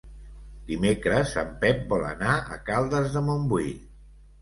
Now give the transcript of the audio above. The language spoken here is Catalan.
Dimecres en Pep vol anar a Caldes de Montbui.